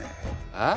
あっ？